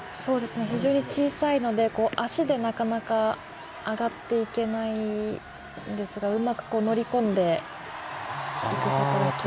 非常に小さいので足で、なかなか上がっていけないんですがうまく乗り込んでいくことが大切です。